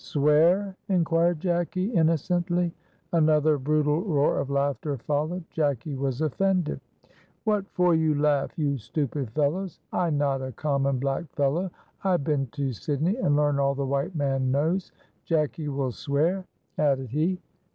"Swear?" inquired Jacky, innocently. Another brutal roar of laughter followed. Jacky was offended. "What for you laugh, you stupid fellows? I not a common black fellow. I been to Sydney and learn all the white man knows. Jacky will swear," added he.